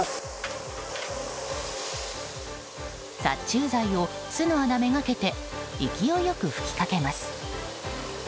殺虫剤を、巣の穴目がけて勢いよく噴きかけます。